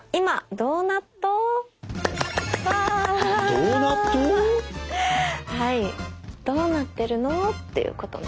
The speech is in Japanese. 「どうなってるの？」っていうことなんですけども。